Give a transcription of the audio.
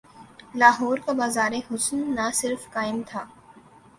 لاہور کا بازار حسن نہ صرف قائم تھا۔